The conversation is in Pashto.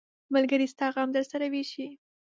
ملګری ستا غم درسره ویشي.